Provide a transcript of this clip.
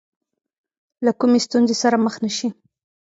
له کومې ستونزې سره مخ نه شي.